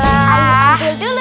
buka buka buka